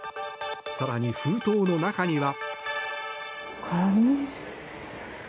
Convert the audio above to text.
更に封筒の中には。